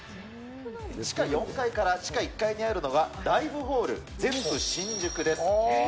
地下４階から地下１階にあるのが、ライブホール、ゼップシンジュクです。